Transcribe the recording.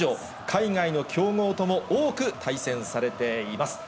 海外の強豪とも多く対戦されています。